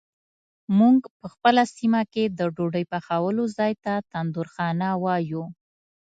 مونږ په خپله سیمه کې د ډوډۍ پخولو ځای ته تندورخانه وایو.